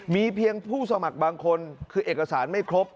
มีเพียงผู้สมัครบางคนคือเอกสารไม่ครบ